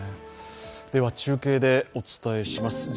中継でお伝えします。